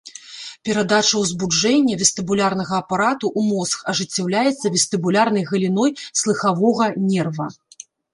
Перадача ўзбуджэння вестыбулярнага апарату ў мозг ажыццяўляецца вестыбулярнай галіной слыхавога нерва.